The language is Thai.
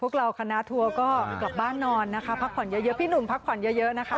พวกเราคณะทัวร์ก็กลับบ้านนอนนะคะพักผ่อนเยอะพี่หนุ่มพักผ่อนเยอะนะคะ